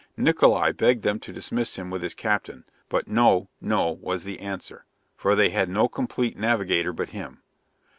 Nickola begged them to dismiss him with his captain, but no, no, was the answer; for they had no complete navigator but him.